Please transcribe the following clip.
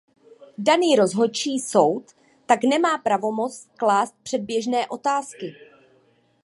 Daný rozhodčí soud tak nemá pravomoc klást předběžné otázky.